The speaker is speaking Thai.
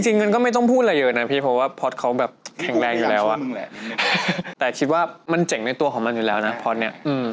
เงินก็ไม่ต้องพูดอะไรเยอะนะพี่เพราะว่าพอร์ตเขาแบบแข็งแรงอยู่แล้วอ่ะแต่คิดว่ามันเจ๋งในตัวของมันอยู่แล้วนะพอร์ตเนี่ย